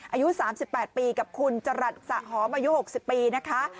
อายุ๓๘ปีกับคุณจรัสสะหอมอายุ๖๐ปีนะคะ